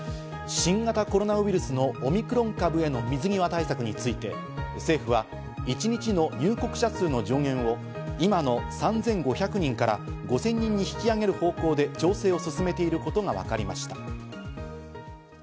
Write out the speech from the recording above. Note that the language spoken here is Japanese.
新型コロナウイルスのオミクロン株への水際対策について、政府は一日の入国者数の上限を今の３５００人から５０００人に引き上げる方向で調整を進めていることがわかりました。